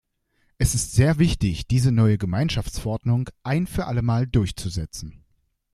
Es ist sehr wichtig, diese neue Gemeinschaftsverordnung ein für alle Mal durchzusetzen.